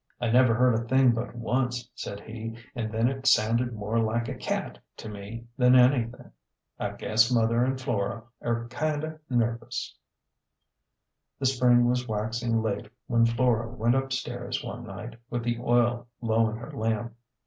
" I never heard a thing but once," said he, " an' then it sounded more like a cat to me than anything. I guess mother and Flora air kinder nervous." The spring was waxing late when Flora went up stairs one night with the oil low in her lamp.